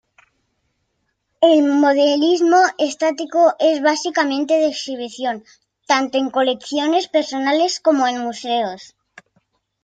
El Modelismo Estático es básicamente de exhibición, tanto en colecciones personales como en museos.